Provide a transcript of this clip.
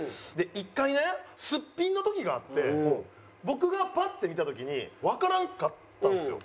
１回ねすっぴんの時があって僕がパッて見た時にわからんかったんですよ。